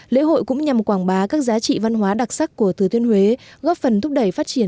lễ hội cũng nhằm quảng bá các giá trị văn hóa đặc sắc của thừa tiên huế